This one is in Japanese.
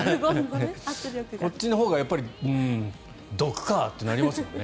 こっちのほうがどくかってなりますもんね。